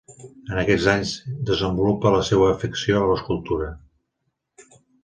En aquests anys desenvolupa la seua afecció a l'escultura.